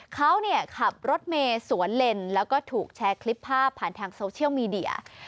เขาขับรถเมย์สวนเลนแล้วก็ถูกแชร์คลิปภาพผ่านทางโซเชียลมีเดีย